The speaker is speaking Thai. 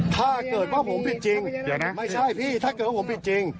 ถ้าเกิดว่าผมผิดจริงไม่ใช่พี่ถ้าเกิดว่าผมผิดจริง